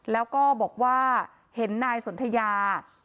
แล้วก็บอกว่าเห็นนายสนทยา